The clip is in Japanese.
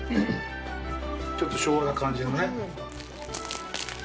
ちょっと昭和な感じのね。